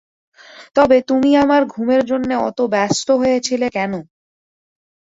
তবে তুমি আমার ঘুমের জন্যে অত ব্যস্ত হয়েছিলে কেন।